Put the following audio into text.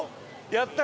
やった！